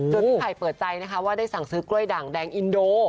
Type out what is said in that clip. พี่ไผ่เปิดใจนะคะว่าได้สั่งซื้อกล้วยด่างแดงอินโด